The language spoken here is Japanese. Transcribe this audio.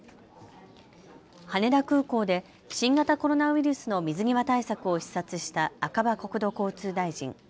羽田空港で新型コロナウイルスの水際対策を視察した赤羽国土交通大臣。